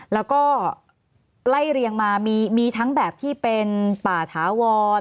แล้วก็ไล่เรียงมามีทั้งแบบที่เป็นป่าถาวร